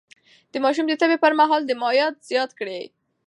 د ماشوم د تبه پر مهال مايعات زيات کړئ.